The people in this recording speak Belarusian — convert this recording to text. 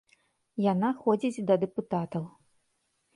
Яна ходзіць да дэпутатаў.